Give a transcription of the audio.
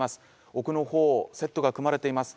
奥の方セットが組まれています。